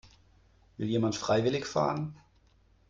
Will jemand freiwillig fahren?